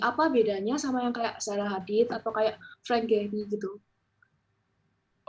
apa bedanya sama yang kayak sarah hadid atau kayak frank gehry gitu